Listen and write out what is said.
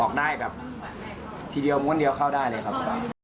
ออกได้แบบทีเดียวม้วนเดียวเข้าได้เลยครับ